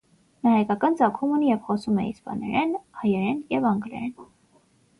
Նա հայկական ծագում ունի և խոսում է իսպաներեն, հայերեն և անգլերեն։